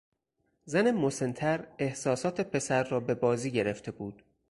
زن مسنتر احساسات پسر را به بازی گرفته بود.